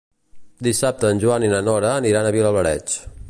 Dissabte en Joan i na Nora aniran a Vilablareix.